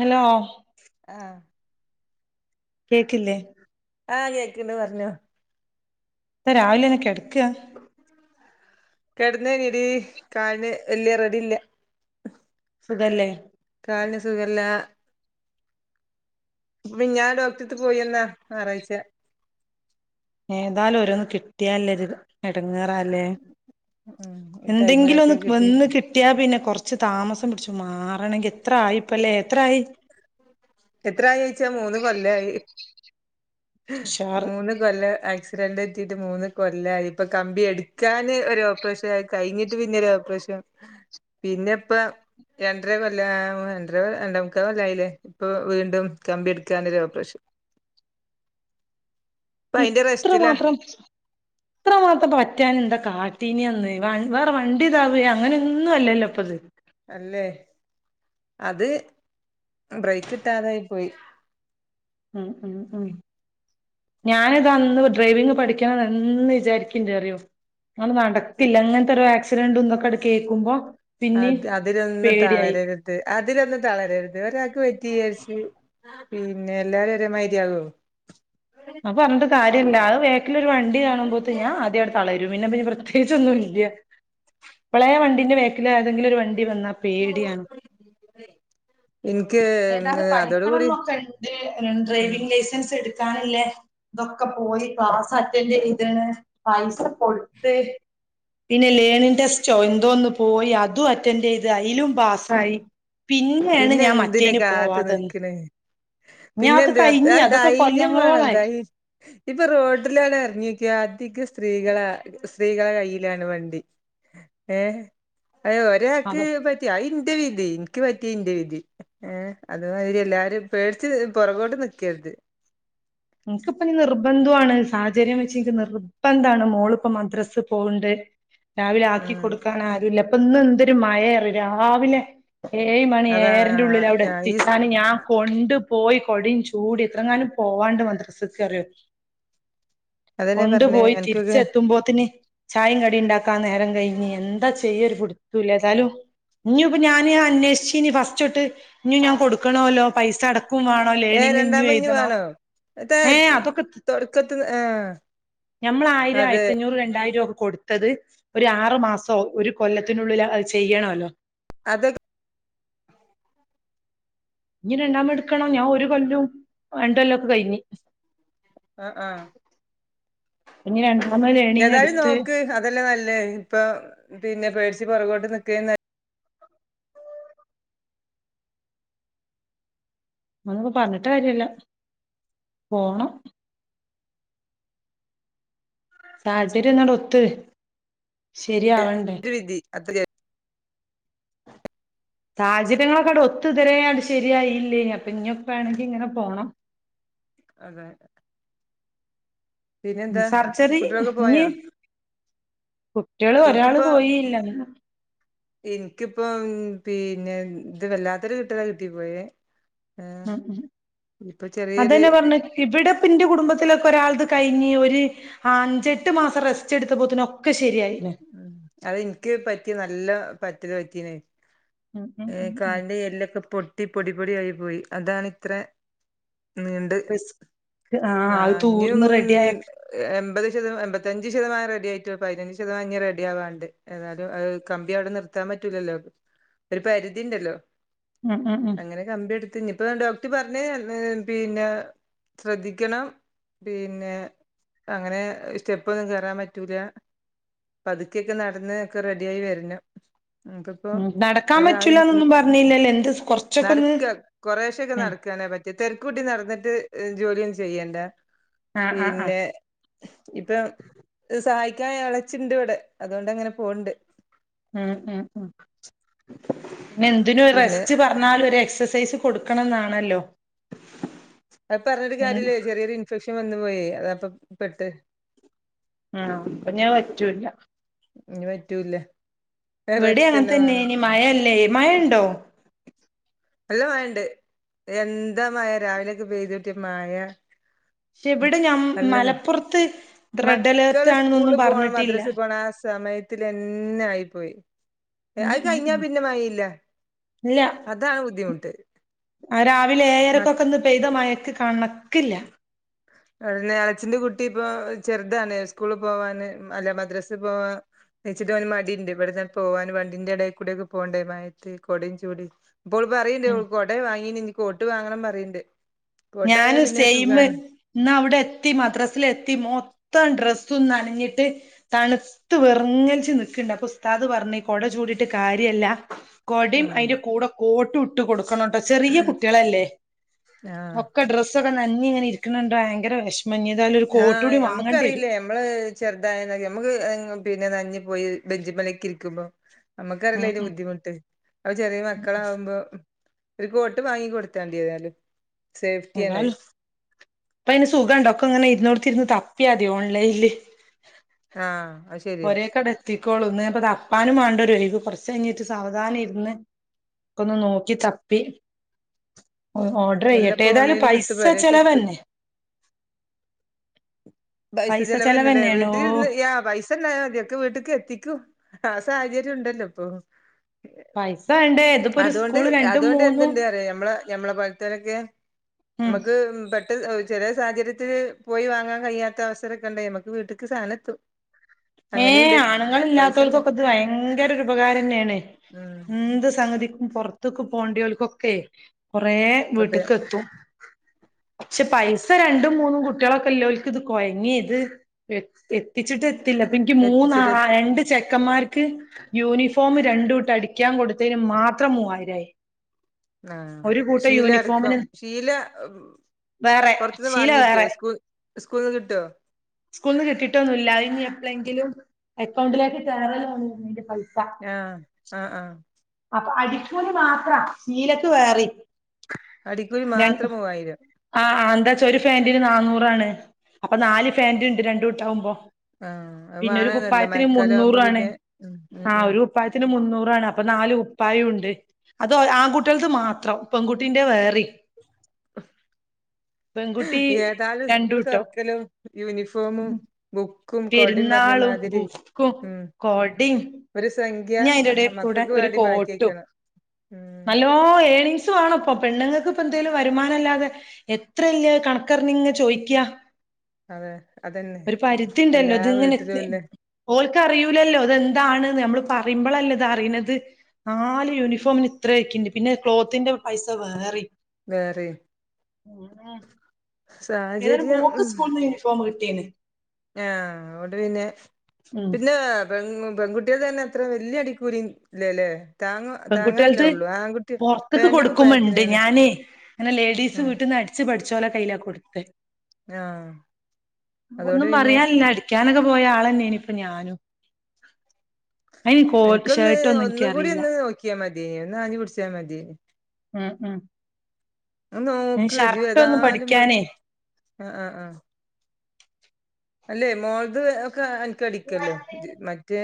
Hello ആഹ് കേക്കില്ലേ ആഹ് കേക്കണ്ട് പറഞ്ഞോ ഇപ്പ രാവിലെന്നെ കെടക്ക? കെടന്നേനിടി കാലിന് വല്യ റെഡിയില്ല സുഖല്ലേ കാലിന് സുഖല്ല മിഞ്ഞാന്ന് ഡോക്ടറട്ത്ത് പോയിവന്നാ ഞായറാഴ്ച ഏതാലും ഓരോന്നന്ന് കിട്ടിയല്ല ഒര്ത് എട്ങ്ങേറല്ലേ ഉം ഈ എന്തെങ്കിലും ടൈമിലൊക്കെ ഒന്ന് വന്ന് കിട്ടീട്ട് കിട്ട് ട്ടിയാ പിന്നെ കുറച്ച് താമസം പിടിച്ചു മാറണമെങ്കിൽ എത്ര ആയി ഇപ്പല്ലേ എത്രയി? എത്രായി ചോയിച്ചാ മൂന്ന് കൊല്ലായി ഉഷാറ് മൂന്ന് കൊല്ല ആക് ആക്‌സിഡന്റ് പറ്റിയിട്ട് മൂന്ന് കൊല്ലായി ഇപ്പൊ കമ്പി എടുക്കാന് ഒരു ഓപ്പറേഷൻ, ആഹ് കഴിഞ്ഞിട്ട് പിന്നെ ഒരു ഓപ്പറേഷൻ പിന്നെ ഇപ്പ രണ്ടര കൊല്ല ആഹ് രണ്ടര രണ്ടമുക്കല് കൊല്ലായില്ലേ ഇപ്പൊ വീണ്ടും കമ്പി എടുക്കാൻ ഒരു ഓപ്പറേഷൻ ഇപ്പ അയിന്റെ ഇത്ര റെസ്റ്റിലാ മാത്രം ഇത്രമാത്രം പറ്റാഞാൻ എന്താ കാട്ടീന അന്ന്, വേറെ വണ്ടി ഇതാവ അങ്ങനെന്നും അല്ലല്ലോ ഇപ്പത് അല്ലേ അത് ബ്രേക്ക് കിട്ടാതായി പോയി ഉം ഉം ഉം ഞാനിതാ അന്ന് ഡ്രൈവിങ് പഠിക്കണ എന്ന് വിചാരിക്കണ്ട അറിയോ? അത് നടക്കില്ല ഇങ്ങനത്തെരു ആക്സിഡന്റ് തും ഇങ്ങട് കേക്കുമ്പോ അത് അതിലൊന്ന് തളരരു അതിലൊന്നും തളരരുത് ഒരാക് പറ്റി വിചാരിച് പിന്നെ എല്ലാരും ഒരെമാരിയാകോ അപ്പ പറഞ്ഞിട്ട് കാര്യല്ല അത് വേക്കില ഒരു വണ്ടി കാണുമ്പോത്തിന് ഞാ ആദ്യം അട് തളരും പിന്നെത്യേ രിച്ചൊന്നും ഇല്ല. ഇപ്പളേ വണ്ടീന്റെ വേക്കിൽ ഏതെങ്കിലും ഒരു വണ്ടി വന്നാ പേടിയാണ് എനിക്ക് ഏതായാലും അതോട് പഠിക്കണം കൂടി എന്നൊക്കെ ഉം ഡ്രൈവിംഗ് ലൈസൻസ് എടുക്കാനില്ലേ ഇതൊക്കെ പോയി ക്ലാസ് അറ്റൻഡ് ചെയ്താണ് പൈസ കൊടുത്ത് പിന്നെ ലേണിറെടെസ്റ്റോ എന്തോന്ന് പോയി അതും അറ്റൻഡ് ചെയ്ത് അലും പാ സ്സായി പിന്നെയാണ് പിന്നെ ഞാൻ എന്തിന മറ്റേന് കാത്ത് പോവാതെന്ന് നിക്കണ് ഞ പിന്നെ അത് എന്ത് കഴിഞ്ഞി ആ അതൊക്കെ ധൈര്യം വേണം കൊല്ലങ്ങളോളായി ധൈര്യ ഇപ്പൊ റോഡില ആണ്ട് ഇറങ്ങിയൊക്കിയ അധിക സ്ത്രീകളെ സ്ത്രീകളെ കയ്യിലാണ് വണ്ടി ഏഹ് അയ്യൊ അതൊ ഒരാക്ക് പറ്റി അയി ന്റെ വിധി ഇൻക്ക് പറ്റിയെ ഇന്റെ വിധി ഏഹ് അത് മാതിരി എല്ലാരും പേടിച്ച് പൊറകോട്ട് നിക്കര്ത് ഇൻക്ക്പ്പം ഇനി നിർബന്ധുവാണ് സാഹചര്യം വെച്ചെനിക്ക് നിർബന്ധാണ് മോളിപ്പോ മദ്രസ് പോവ്ണ്ട് രാവിലെ ആക്കി ഉം കൊടുക്കാൻ ആരുല്ലാ ഇപ്പം ഇന്ന് എന്തൊരു മഴയാറിയോ രാവിലെ ഏഴ്‌ മണി അതാണ് ഏഴെരെന്റെ ഉള്ളില് അവിടെ ഈ എത്തിച്ചാന് ഞാൻ കൊണ്ട് പോയി കൊടയും ചൂടി എത്രങ്ങാനും പോവാണ്ട് മദ്രസക്ക് അറിയോ അതന്നെ കൊണ്ടു പറഞ്ഞേ പോയി അനക്കൊക്കെ തിരിച്ചെത്തുമ്പോത്തിന് ചായേം കടിയും ഇണ്ടാക്കാൻ നേരം കയിഞ്ഞ് എന്താ ചെയ്യാ ഒരു പിടി ത്തൂലാ ഏതാലും ഇനി ഇപ്പ ഞാന് അന്വേഷിച്ചീനി ഫസ്റ്റൊട്ട് ഇനി ഞാൻ കൊടുക്കണോല്ലോ പൈസ അടക്കും വേണം ഏ ലേണിങ് ഇനിയു രണ്ടാമത് ഇഞ്ഞ് എഴുതണോ വേണോ എത്താ ഏഹ് അതൊക്കെ തൊടക്കത്ത് ആഹ് ഞമ്മള് ആയിരം അതെ ആയിരത്തഞ്ഞൂറ് രണ്ടായിരൊക്കെ കൊട് ത്തത് ഒരു ആറു മാസോ ഒരു കൊല്ലത്തിനുള്ളില് അത് ചെയ്യണോല്ലോ അതെട് ഇനി രണ്ടാമത് എടുക്കണം ഞാൻ ഒരു കൊല്ലും രണ്ട് കൊല്ലൊക്കെ കയിഞ്ഞ് ആഹ് ആഹ് ഇനി രണ്ട് മൂന്ന് ലേണിങ്ങ് ഏതായാലും എടുത്ത് നോക്ക് അതല്ലേ നല്ലേ ഇപ്പ പിന്നെ പേടിച്ച് പൊറകോട്ട് നിക്ക്ന്നേ നൽ നമ്മളിപ്പോ പറഞ്ഞിട്ട് കാര്യല്ലാ പോണം സാഹചര്യം ഒന്നാട് ഒത്ത് ശരിയാവണ്ടേ ഒരു വിധി അത്രയാ സാഹചര്യങ്ങളൊക്കെ ആട് ഒത്ത് ഇതുവരേ ആട് ശരിയായില്ലേനി അപ്പ ഇഞ്ഞിപ്പാണെങ്കി ഇങ്ങനെ പോണം അതെ ഉം പിന്നെന്താ സർജറി കുട്ടികളൊക്കെ ഇനി പോയോ കുട്ട്യോള് ഒരാള് പോയീല്ലാന്ന് ഇൻക്കിപ്പം പീന്നെ ഇത് വല്ലാത്തൊരു കിട്ടലാ കിട്ടിപ്പോയേ ആഹ് ഉം ഇപ്പൊ ചെറിയൊരു ഇവിടെപ്പെന്റെ കുടുംബത്തിലൊക്കെ ഒരാളത് കയിഞ്ഞ് ഒര് ആഹ് അഞ്ചെട്ട് മാസം റെസ്റ്റ് എടുത്തപ്പോത്തേന് ഒക്കെ ശരിയായില്ലേ ഉം അത് എനിക്ക് പറ്റിയ നല്ല പറ്റല് പറ്റീനത് ഉം ഉം ഏഹ് ഉം ഉം കാലിന്റെ എല്ലൊക്കെ പൊട്ടി പൊടി പൊടി ആയി പോയി അതാണിത്രേ നീണ്ട് റിസ്ക് അത് ആഹ് ഇനിയും തൂർന്ന് റെഡിയായ ഏഹ് എമ്പത് ശത എമ്പത്തഞ്ച് ശതമാനം റെഡി ആയിട്ട് പതിനഞ്ച് ശതമാനം ഇനി റെഡി ആവാണ്ട് ഏതാലും ആഹ് കമ്പി അവിടെ നിർത്താൻ പറ്റൂല്ലല്ലോ ഒരു പരിധി ഇണ്ടല്ലോ ഉം ഉം ഉം കമ്പി എടുത്ത് ഇനിയിപ്പ ഡോക്ടർ പറഞ്ഞ് [unintelligible] പിന്നാ ശ്രദ്ധിക്കണം പിന്നെ അങ്ങനെ സ്റ്റെപ്പൊന്നും കേറാൻ പറ്റൂലാ പതുക്കെയൊക്കെ നടന്ന് ഒക്കെ റെഡിയായി വെരണം ഉം നടക്കാൻ പറ്റൂലാന്നൊന്നും പറഞ്ഞില്ലല്ലേ എന്ത് കൊറച്ചൊക്കെ ഒന്ന് കൊറേശെയൊക്കെ ഉം നടക്കാനേ പറ്റിയെ തെരക്കൂട്ടി നടന്നിട്ട് ഏഹ് ജോലിയൊന്നും ചെയ്യണ്ടാ ആഹ് ആഹ് ആഹ് പിന്നെ ഇപ്പം സഹായി ക്കാൻ എളേച്ചിണ്ട് ഇവിടെ അതുകൊണ്ട് അങ്ങനെ പോണ്ട് ഉം ഉം ഉം പിന്നെ എന്തിനും ഒര് പിന്നെ റെസ്റ്റ് പർ ഞ്ഞാലൊരു എക്സസൈസ് കൊടുക്കണന്നാണല്ലോ അത് പർഞ്ഞ്ട്ട് കാര്യഇല്ലേ ചെറിയൊരു ഇൻഫെക്ഷൻ വന്നു പോയേ അതാ ഇപ്പ പെട്ട് ആണോ അപ്പഞ് അത്‌ പറ്റു ല്ല ഇഞ് പറ്റൂ ല്ല ഇവടി അങ്ങൻതന്നേയ്നി മഴയല്ലേ മഴ ഇണ്ടോ നല്ല മഴണ്ട് എന്താ മഴ രാവിലെയൊക്കെ പെയ്ത് കൂട്ടിയ മഴ പക്ഷെ അഹ് ഇവിടെ ഞ നല്ലം പെഴ്ത് മലപ്പുറത്ത് റെഡ് അലേർട്ട് മക്കള് സ്കൂൾള് ആണെന്നൊന്നും പോണം പറഞ്ഞിട്ടില്ല മദ്രസ്സ് പോണ ആ സമയ ത്തിലെന്നെ ആയി പോയി ഉം ഉം ഉം ഇല്ല താണ് ബുദ്ധിമുട്ട് ആഹ് രാവിലെ മക്ക ഏഴരക്കൊക്കെ ഇന്ന് പെയ്ത മഴക്ക് കണക്കില്ല അതെന്നെ എളച്ചിന്റെ കുട്ടി ഇപ്പൊ ചെറ്താണ് സ്കൂൾള് പോവാന് ഉം അല്ല മദ്രസ്സ് പോവാ ന്ച്ച്ട്ട് ഓന് മടിണ്ട് ഇവട്ന്ന് ആണ്ട് പോവാന് വണ്ടിന്റെ എടേക്കൂടെ ഒക്കെ പോവണ്ടെ മഴെത്ത് കൊടിം ചൂടി ഇപ്പോള് പറയ്ണ്ട് ഉം ഓള് കൊടെ വാങ്ങീനിം ഇഞ് കോട്ട് വാങ്ങണം പറയ്ണ്ട് കോട്ടായാ ഞാനും പിന്നെ സെയ്‌മ് സുഖാണ് ഇന്ന് അവ്ടെ എത്തി മദ്രാസിലെത്തി മൊത്തം ഡ്രസ്സും നനഞ്ഞിട്ട് തണ്ത്ത് വെർങ്ങെൽച്ച് നിക്ക്ണ്ട് അപ്പൊ ഉസ്താദ് പർഞ്ഞ് കൊട ചൂടീട്ട് കാര്യല്ല കൊടിം ആഹ് അയ്‌ന്റെ കൂടെ കോട്ടും ഇട്ട് കൊട്ക്കണംട്ടോ ചെറിയ കുട്ട്യേളല്ലേ ആഹ് ഒക്കെ ഡ്രസ്സൊക്കെ നനഞ്ഞ് ഇങ്ങനെ ഇര്ക്ക്ണണ്ട് ഭയങ്കര വെഷ്മം ഇഞ്ഞെതായാലും ഒരു കോട്ട് ആഹ് കൂടി വാങ്ങേണ്ടി വരും ഞമ്മക്കറിയില്ലേ ഞമ്മള് ചെർതായ അന്നൊക്കെ ഞമ്മക്ക് പിന്നെ നൻഞ്ഞ് പോയി ബെഞ്ചിമലെക്കെ ഇരിക്കുമ്പോ നമ്മക്കറിയാലോ ഉം അയ്‌ന്റെ ഉം ബുദ്ധിമുട്ട് അപ്പൊ ചെറിയ ഉം. മക്കളാവുമ്പോ ഒരു കോട്ട് വാങ്ങി കൊട്ത്താണ്ടി ഏതായാലും സേഫ്റ്റിയാണത് ഏതായാലും ഇപ്പ അയ്‌ന് സുഖംണ്ട് ഒക്കെ ഇങ്ങനെ ഇര്ന്നോട്ത്തിരുന്ന് തപ്പിയാമതി ഓൺലൈൻല് ആഹ് അയ്ശെ പൊരേയ്ക്ക് ആണ്ട് എത്തിക്കോളും ഇന്ന് പ്പൊ തപ്പാനും വാണ്ടേ ഓരൊഴിവ് കൊർച്ച് കഴിഞ്ഞിട്ട് സാവധാനം ഇര്ന്ന് ഒക്കൊന്ന് നോക്കി തപ്പി ഒഹ് ഓട് ഡ്രെയ്യട്ടെ എല്ലപ്പോ ഏതായാലും ഓൺലൈനിൽ കിട്ടും പൈസ പെരേക്ക് എത്തും ചെലവെന്നെ പൈസ ചെലെവെന്നെല്ലെ ചെലവന്നെയാണ് ഓ വീട്ട്ല് ഇര്ന്ന് ചെയ്യാ പൈസ സണ്ടായ മതി ഒക്കെ വീട്ട്ക്ക് എത്തിക്കും ആ സാഹചര്യോം ഇണ്ടല്ലോ ഇപ്പൊ പൈസ വേണ്ടേ ഇതിപ്പോ ഒരു അതുകൊണ്ട് സ്കൂള് രണ്ടും അതുകൊണ്ട് മൂന്നും എന്ത്ണ്ട് അറിയോ ഞമ്മളെ ഞമ്മളെപോലത്തോലൊക്കെ ഉം ഞമ്മക്ക് പെ ട്ടെന്ന് ചെറ്യേ സാഹചര്യത്തില് പോയി വാങ്ങാൻ കഴിയാത്ത അവസരൊക്കെണ്ടേ അമ്മക്ക് വീട്ട്ക്ക് സാനെത്തും ഏഹ് ആണ്ങ്ങള് ഇല്ലാത്തോൽക്കൊക്കെ ഇത് ഭയങ്കര ഒരു ഉപകാരം തന്നേണ് ഉം എന്ത് സംഗതിക്കും പൊർത്ത്ക്ക് പോണ്ട്യോൽക്കൊക്കെ കൊറേ അതെ വീട്ട്ക്ക് എത്തും പക്ഷെ പൈസ രണ്ടും മൂന്നും കുട്ട്യോളൊക്കെഇല്ലോൽക്ക്ത് കൊയങ്ങി ഇത്‌ എ എത്തിച്ചിട്ട് എത്തില്ല ഇപ്പ ഇൻക്ക് മൂന്ന് എത്തിച്ചിട്ട് ആളാ എത്തി രണ്ട് ചെക്കന്മാർക്ക് യൂണിഫോമ് രണ്ട് കൂട്ടം അടിക്കാൻ കൊടുത്തേന് മാത്രം മൂവായിരായി ആഹ് ഒരു കൂട്ടം ശീല അടക്കം യൂണിഫോമിന് ശീല വേറെ പൊർത്ത്ന്ന് ശീല വാങ്ങീറ്റൊ സ്കൂൾ സ്കൂൾന്ന് കിട്ടോ സ്‌കൂൾന്ന് കിട്ടിട്ടൊന്നും ഇല്ല അത്‌ ഇഞ് എപ്ലെങ്കിലും അക്കൗണ്ടിലേക്ക് കേറാ തോന്ന്ന്ന് അയ്‌ന്റെ പൈസ ആഹ് ആഹ് ആഹ് അപ്പ അടിക്കൂലി മാത്ര സീലക്ക് വേറിം അടിക്കുലി മാത്രം മൂവായിരം ആഹ് അഹ് എന്താവെച്ചാ ഒരു ഫാന്റിന് നാന്നൂറാണ് അപ്പൊ നാല് ഫാന്റ് ഇണ്ട് രണ്ട്കൂട്ടാവുമ്പൊ ആഹ് അത് വണാല്ലോല്ലെ മയക്കാലം ആവുമ്പോ മുന്നൂറാണ് പിന്നെ ഉം അഹ് ആ അഹ് ഒരു കുപ്പായത്തിന് മുന്നൂറാണ് അപ്പൊ നാല് കുപ്പായു ണ്ട് അത് ആൺകുട്ടികളത് മാത്രം പെൺകുട്ടിന്റെ വേറിം പെൺകുട്ടി ഏതാലും സ്കൂൾ രണ്ടൂട്ടം തുറക്കലും യൂണിഫോമും ബുക്കും കൊടിം പറഞ്ഞ പെരുന്നാളും മാതിരി ബുക്കും ഉം കൊടിം ഒരു സംഖ്യ ഇഞ്ഞി അയിന്റെ എടേ കൂടെ മക്കൾക്ക് ഒരു വേണ്ടി മാറ്റി വക്കണം ഉം ഓ ഏണിങ്സ് വേണ ഇപ്പൊ പെണ്ണു ങ്ങ ൾക്ക്പ്പൊ എന്തേലും വരുമാനല്ലാതെ എത്രല്ലേ കണക്കറിഞ്ഞ് ചോയിക്കാ അതെ അതന്നെ ഒരു പരിധി ഉണ്ടല്ലോ എല്ലാ അത് ഇങ്ങനെ വീട്ടിലും ത്തി ഇല്ലേ ഓൾക്ക് അറിയൂലല്ലോ അതെന്താണ് നമ്മള് പറയുമ്പോളല്ലേ ഇത അറിയുന്നത് നാല് യൂണിഫോമിന് ഇത്രയക്കണ്ട് പിന്നെ ക്ലോത്തിന്റെ പൈസ വേറിം വേറെയും ഏതായാലും സാഹചര്യം മോക്ക് ഉം സ്കൂൾന്ന് യൂണി ഫോം കട്ടീന്ന്. ആഹ് അതോണ്ട് പിന്നെ ഉം പിന്നെ. പെ പെൺകുട്ടികൾ തന്നെ അത്ര വല്യ അടിക്കൂലി ഇല്ലല്ലേ. താങ്ങ താങ്ങാനല്ലേ പെൺകുട്ടികൾത് ഉള്ളൂ ആൺകുട്ടി പൊറത്ത്ക്ക് പാന്റും കൊടുക്കുമ്പണ്ട് കുപ്പായത്തിനാണ് ഞാനേ അങ്ങനെ ലേഡീസ് ഉം വീട്ടിൽന്ന് അടി ടിച്ച് പഠിച്ചോലെ കയ്യില കൊടുത്ത് ആഹ് അതുകൊണ്ട് ഒന്നും പിന്നെ പറയാനില്ലടി. പടിക്കാനൊക്കെ പോയ ആളന്നെയാണ് ഇപ്പൊ ഞാനും. അയിന് കോ ഷർട്ട്ഒന്നും എനിക്കറിയില്ല. ക്കാമതിയേനി ഒന്ന് ആഞ്ഞ് പുടിച്ചാ മതിയേനി. ഉം ഉം നോക് ഷർട്ടൊന്നും ജേതായാലു വെറ് പഠിക്കാനേ ആ ആഹ്ആ. അല്ലേ മോൾത് ഒക്കെ അനക്ക് അടിക്കല്ലോ മറ്റേ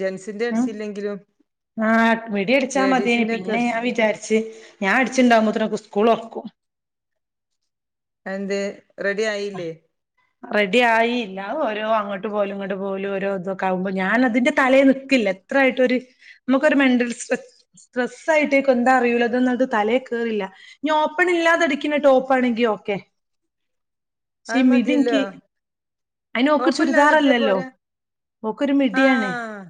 ജൻസ്. ഉം ആ മിടിയടിച്ചാ മതിയേനി ലേഡീസിന്റെ ഒക്കെ പിന്നെ അടിച്ച് ഞാൻ വിചാരിച്ച്. ഞാ അടിച്ചുണ്ടാവുമ്പോത്ത് നൊക്കെ സ്കൂളൊറക്കും. അത് എന്തെ റെഡി ആയില്ലേ. റെഡി ആയില്ലാ അഹ് ഓരോ അങ്ങോട്ട് പോകലും ഇങ്ങോട്ട് പോകലും ഓരോ ഇതൊക്കെ ആകുമ്പോ ഞാൻ അതിന്റെ തലെ നിക്കില്ല. അത്രയിട്ട് ഒരു നമുക്കൊരു മെന്റൽ സ്ട്ര. സ്ട്രെസ് ആയിട്ടേക്കും എന്താ അറിയില്ല ഇതൊന്നങ്ങ്ട്ട് തലയെ കയറില്ല. ഞ്ഞി ഓപ്പൺ ഇാത അടിക്കുന്ന ടോപ്പ് ആണെങ്കി ഓക്കെ. പക്ഷെ അത് ഈ മിടിൻക് മതിയല്ലോ അയ്ന്ഓക് ഓപ്പണില്ലാതെ അടിച്ചാ ചുരിദാറല്ലല്ലോ. പോരാ ഓക്കൊരു മിടിയണേ ആഹ്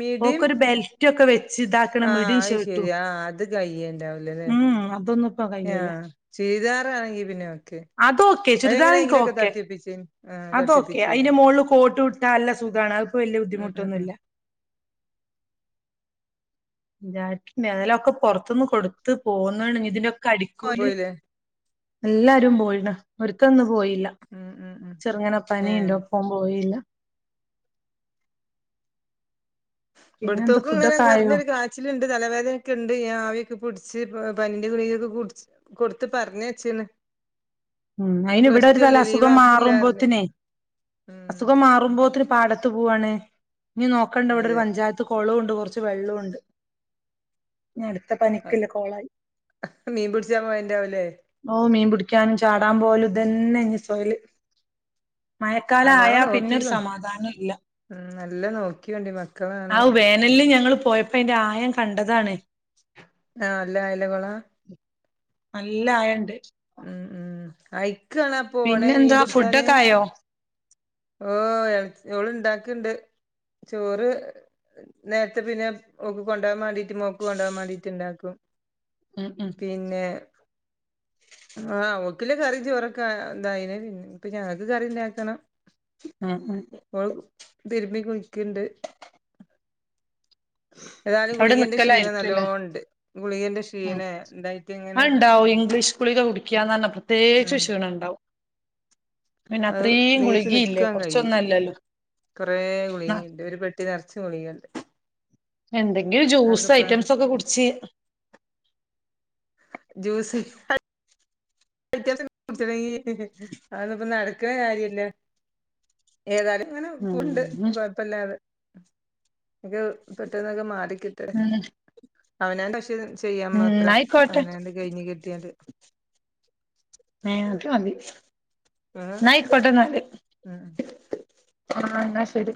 മിടിം ഓക്കൊരു ബെൽറ്റ് ഒക്കെ വെച്ച് ഇത. ആഹ് അയ് ശരി ആ അത് കയ്യേണ്ടാവി ലല്ലേ ഉം അതൊന്നും ഇപ്പ കയ്യൂല ആഹ്. ചുരിതാറാണെങ്കി പിന്നെ ഒക്കെ അത് ഓക്കെ അത് ചുരിദാർ എനിക്ക് എങ്ങനെയെങ്കിലുക്കെ ഓക്കെ തട്ടി ഒപ്പിച്ചേ. അതൊക്കെ അതിന്റെ മുകളിൽ കോട്ട് ഇട്ട നല്ല സുഖാണ് അത്‌പ്പ വലിയ ഉം ഉം ഉം ബുദ്ധിമുട്ടൊന്നുംല്ല. [unintelligible] ഒക്കെ പൊറത്തുന്ന് കൊടുത്ത് പോന്ന്ണ് ഇഞ്ഞി ഇതിന്റെക്കെ അടിക്കൂലി. പോയില്ലേ എല്ലാരും പോയിണ് ഒര്ത്തന് പോയില്ല ഉം ഉം ഉം ചെറുങ്ങനെ ഏഹ് പനിയുണ്ടോപ്പം പോയില്ല. പിന്നെന്താ ഇവിടുത്തോക്കും ഇങ്ങനെ ഫുഡൊക്കെ ആയോ കൊറഞ്ഞൊരു കാ. ച്ചിലുണ്ട് തലവേദനൊക്കെ ഉണ്ട് ആവിഒക്കെപിടിച്ച് പനിന്റെ ഗുളി കൊക്കെ കുടിച്ച്. കൊടുത്ത് പറഞ്ഞേച്ചീന്. ഉം അയിന് ഇവിടെ ഒരു തല ലീവ് അസുഖം ആക്കില്ലാർഞ്ഞ് മാറുമ്പോത്തിനെ. ഉം അസുഖം മാറുമ്പോത്തിന് പാടത്ത് പോവാണ് ഇനി നോക്കണ്ട ഇവിടെ ഒരു അതെ പഞ്ചായത്ത്. യത്ത് കൊളണ്ട് കുറച്ച് വെള്ളംണ്ട്. ഞ്ഞ് അടുത്ത പനിക്ക്‌ള്ള കോളായി. മീൻ പിടിച്ചാൻ പോയണ്ടാവൂലേ ഓ മീൻ പിടിക്കാനും ചാടാൻ പോവലും ഇതന്നെ ഇനി സോയല്. മഴക്കാലം ആയാൽ പിന്നരു സമാധാനം ഇല്ല. മം നല്ല നോക്കിയൊണ്ടി മക്കളാണ്. ആവു വേനലിൽ ഞങ്ങള് പോയ പ്പൊ അയിന്റെ ആയം കണ്ടതാണ്. ആഹ് നല്ല ആയല്ല കൊള. നല്ല ആയണ്ട്. ഉം ഉം അയ്ക്കണ പോണെ മീൻ പിന്നെന്താ പിടിച്ചാന്. ഫുഡൊക്കെ ആയോ ഓഹ് എള്ക്കി ഓള് ഇണ്ടാക്കിണ്ട് ചോറ്. നേരത്തെ പിന്നെ ഒക്ക് കൊണ്ടുപോകാൻ വേണ്ടിട്ട്, മോക്ക് കൊണ്ട് പോകാൻ വേണ്ടിയിട്ട് ഉണ്ടാക്കും. ഉ ഉം പിന്നെ ആഹ് ഓക്കില്ല കറി ചോറക്ക എന്തായിന് ഇപ്പൊ ഞങ്ങക്ക് കറി ഉണ്ടാക്കണം. മം മംഹ് ഓള് തിരുമ്പി കുളിക്ണ്ട്. ഏതാലും അവിടെ ഗുളികന്റെ ക്ഷീണം നിക്കലായിരിക്കുംല്ലേ നല്ലണ്ട് ഗുളികന്റെ ക്ഷീണ എന്തായിട്ട് ഇങ്ങനെ. അഹ് ണ്ടാവും ഇംഗ്ലീഷ് ഗുളിക കുടിക്കന്ന് പറഞ്ഞ പ്രത്യേകിച്ചും ഉം ക്ഷീണഇണ്ടാവും ആഹ് നച്ചു ഗുളികയില്ലേ നിക്കാൻ കയില്ല കുറച്ചൊന്നല്ലല്ലോ കുറെേ ആ ഗുളിയിണ്ട് ഒരു പെട്ടി നിറച്ചു ഗുളിയിണ്ട് എന്തെങ്കിലും ജ്യൂസ് ഐറ്റംസൊക്കെ കുടിച്ച് ജ്യൂസ് കുറച്ചുസം കുടിക്കാണങ്കി അതന്നപ്പോ നടക്കണ കാര്യല്ല ഏതായാലും ഇങ്ങനെ ഉം പോണുണ്ട് ഉം കൊയപ്പല്ലാതെ ഒക്കെ പെട്ടന്നൊക്കെ മാറിക്കിടട്ടെ ഉം അവനന്റെ ഇഷ് ചെയ്യാൻ മാത്രം എന്നായിക്കോട്ടെ അവനന്റെ കഴിഞ്ഞ് കിട്ടിയാല് എഹ് അത് മതി ഏഹ് ന്നാ ആയിക്കോട്ടെ ന്നാല് ഉം ആഹ് എന്നാ ശെരി